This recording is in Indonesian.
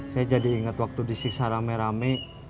saya jadi ingat waktu disiksa rame rame